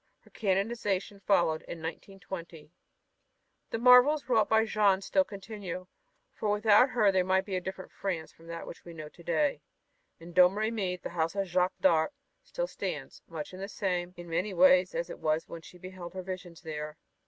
Her canonization followed in 1920. The marvels wrought by Jeanne still continue, for without her there might be a different France from that which we know to day. In Domremy the house of Jacques d'Arc still stands, much the same, in many ways, as it was when she beheld her visions there.